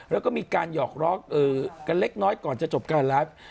แล้วก็มีการหอกล้อกันเล็กน้อยก่อนจะจบการไลฟ์